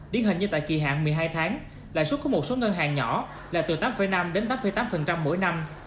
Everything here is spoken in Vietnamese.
điển hình như tại kỳ hạn một mươi hai tháng lãi suất của một số ngân hàng nhỏ là từ tám năm đến tám tám mỗi năm